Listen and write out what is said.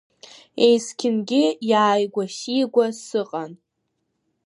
Есқьынгьы иааигәа-сигәа сыҟан.